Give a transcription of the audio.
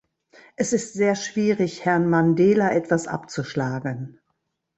Es ist sehr schwierig, Herrn Mandela etwas abzuschlagen.